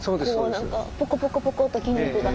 何かポコポコポコと筋肉が。